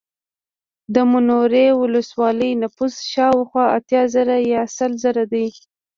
د منورې ولسوالۍ نفوس شاوخوا اتیا زره یا سل زره دی